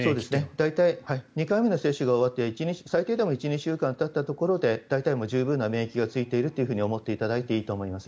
大体２回目の接種が終わって最低でも１２週間たってから大体十分な免疫がついていると思っていいと思います。